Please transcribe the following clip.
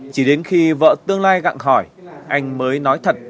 chỉ đến khi vợ tương lai gặng hỏi anh mới nói thật